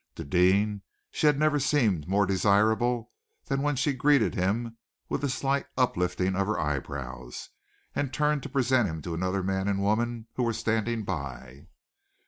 To Deane she had never seemed more desirable than when she greeted him with a slight uplifting of her eyebrows, and turned to present him to another man and woman who were standing by.